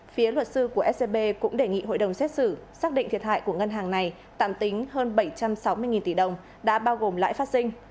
phía luật sư của scb cũng đề nghị hội đồng xét xử xác định thiệt hại của ngân hàng này tạm tính hơn bảy trăm sáu mươi tỷ đồng đã bao gồm lãi phát sinh